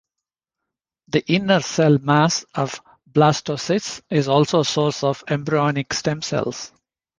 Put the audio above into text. The inner cell mass of blastocysts is also a source of embryonic stem cells.